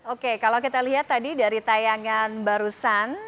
oke kalau kita lihat tadi dari tayangan barusan